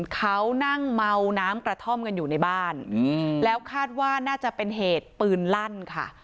เขานั่งเมาน้ำกระท่อมกันอยู่ในบ้านแล้วคาดว่าน่าจะเป็นเหตุปืนลั่นค่ะ